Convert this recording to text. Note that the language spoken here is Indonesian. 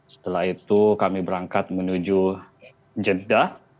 setelah itu kami berangkat menuju jeddah